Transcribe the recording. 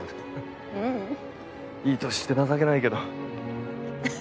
いい年して情けないけど。